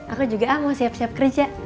aku juga ah mau siap siap kerja